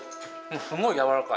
すごいやわらかい。